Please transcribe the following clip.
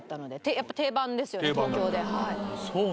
やっぱ定番ですよね東京で。